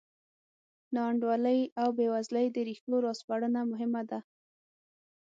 ناانډولۍ او بېوزلۍ د ریښو راسپړنه مهمه ده.